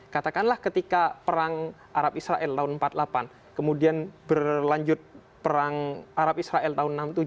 katakanlah ketika perang arab israel tahun seribu sembilan ratus empat puluh delapan kemudian berlanjut perang arab israel tahun seribu sembilan ratus enam puluh tujuh